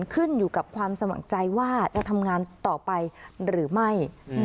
ขึ้นอยู่กับความสมัครใจว่าจะทำงานต่อไปหรือไม่